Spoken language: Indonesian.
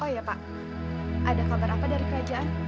oh iya pak ada kabar apa dari kerajaan